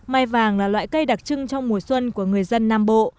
mai vàng là loại cây đặc trưng trong mùa xuân của người dân nam bộ